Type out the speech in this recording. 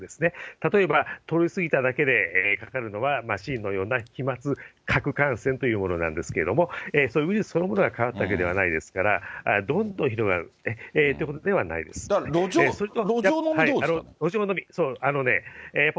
例えば、通り過ぎただけでかかるのは、のような飛まつかく感染というものなんですけど、ウイルスそのものが関わるわけではないですから、どんと広がると路上飲みはどうですか？